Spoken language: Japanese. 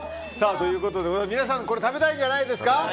ということで皆さん、これ食べたいんじゃないんですか？